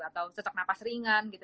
atau sesak nafas ringan gitu